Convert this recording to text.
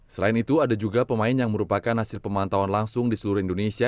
selain itu ada juga pemain yang merupakan hasil pemantauan langsung di seluruh indonesia